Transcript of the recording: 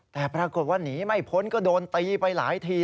แต่ปรากฏว่าหนีไม่พ้นก็โดนตีไปหลายที